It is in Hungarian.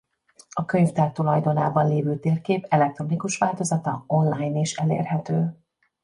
A könyvtár tulajdonában levő térkép elektronikus változata online is elérhető.